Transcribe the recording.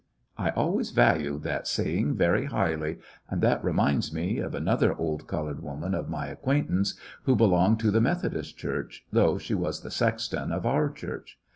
''Doandrap I always valued that saying very highly; and that reminds me of another old colored woman of my acquaintance, who belonged to the Methodist Church, though she was the sexton of our church.